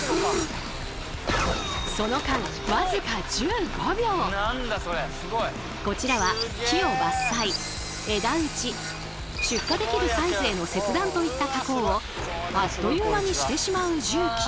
その間こちらは木を伐採枝打ち出荷できるサイズへの切断といった加工をあっという間にしてしまう重機。